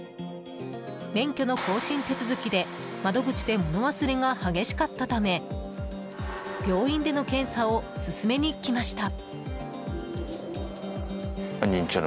免許の更新手続きで窓口で物忘れが激しかったため病院での検査を勧めにきました。